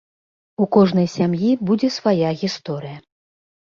У кожнай сям'і будзе свая гісторыя.